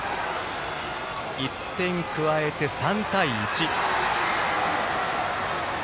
１点加えて３対１。